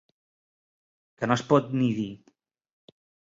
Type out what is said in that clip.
Que no es pot ni dir.